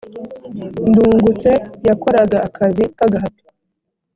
ndungutse yakoraga akazi k’agahato